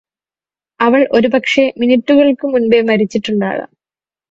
അവൾ ഒരു പക്ഷെ മിനുടുകൾക്ക് മുൻപേ മരിച്ചിട്ടുണ്ടാകാം